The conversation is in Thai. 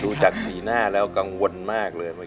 ดูจากสีหน้าแล้วกังวลมากเลย